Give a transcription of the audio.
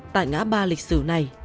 tại ngã ba lịch sử này